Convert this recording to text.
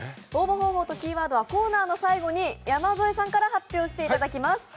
応募方法とキーワードはコーナーの最後に山添さんから発表していただきます。